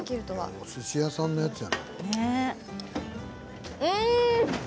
おすし屋さんのやつや。